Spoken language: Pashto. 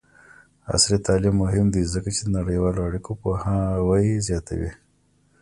عصري تعلیم مهم دی ځکه چې د نړیوالو اړیکو پوهاوی زیاتوي.